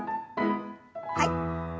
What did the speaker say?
はい。